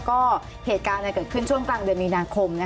ก็เหตุการณ์เกิดขึ้นช่วงกลางเดือนมีนาคม